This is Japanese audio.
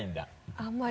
あんまり。